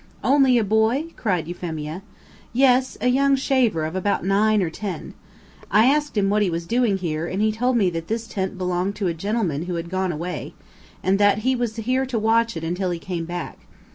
"Only a boy?" cried Euphemia. "Yes, a young shaver of about nine or ten. I asked him what he was doing here, and he told me that this tent belonged to a gentleman who had gone away, and that he was here to watch it until he came back.